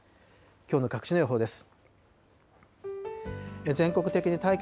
きょうの各地の予報です。